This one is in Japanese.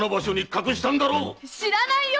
知らないよ！